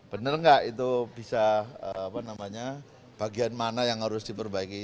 bener gak itu bisa bagian mana yang harus diperbaiki